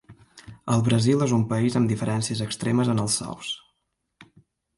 El Brasil és un país amb diferències extremes en els sous.